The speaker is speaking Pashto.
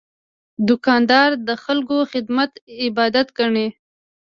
دوکاندار د خلکو خدمت عبادت ګڼي.